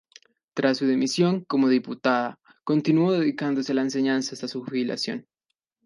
Tras su dimisión como diputada continuó dedicándose a la enseñanza hasta su jubilación.